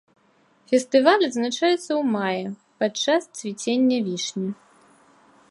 Фестываль адзначаецца ў маі падчас цвіцення вішні.